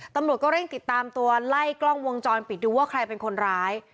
ตำรวจก็เร่งติดตามตัวไล่กล้องวงจรปิดดูว่าใครเป็นคนร้าย